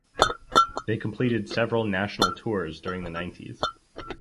They completed several national tours during the nineties.